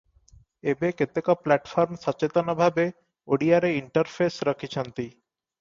ଏବେ କେତେକ ପ୍ଲାଟଫର୍ମ ସଚେତନ ଭାବେ ଓଡ଼ିଆରେ ଇଣ୍ଟରଫେସ ରଖିଛନ୍ତି ।